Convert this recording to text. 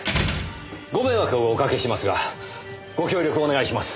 ご迷惑をおかけしますがご協力をお願いします。